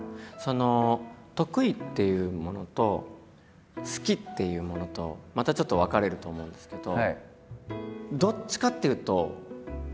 得意っていうものと好きっていうものとまたちょっと分かれると思うんですけど。